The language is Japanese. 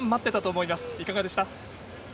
いかがでしたか？